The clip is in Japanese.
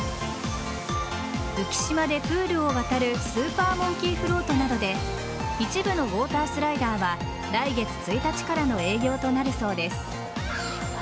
浮島でプールを渡るスーパーモンキーフロートなどで一部のウオータースライダーは来月１日からの営業となるそうです。